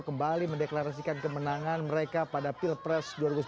kembali mendeklarasikan kemenangan mereka pada pilpres dua ribu sembilan belas